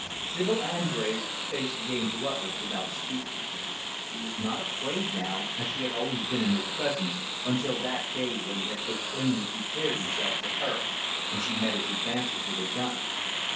Sibyl Andrés faced James Rutlidge, without speaking. She was not afraid, now, as she had always been in his presence, until that day when he had so plainly declared himself to her and she met his advances with a gun.